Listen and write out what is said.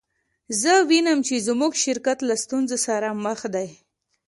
زه وینم چې زموږ شرکت له ستونزو سره مخ دی